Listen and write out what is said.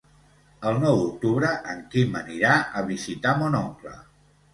El nou d'octubre en Quim anirà a visitar mon oncle.